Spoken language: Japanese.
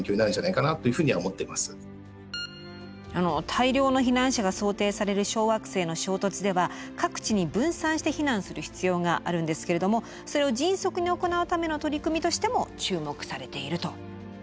大量の避難者が想定される小惑星の衝突では各地に分散して避難する必要があるんですけれどもそれを迅速に行うための取り組みとしても注目されていると。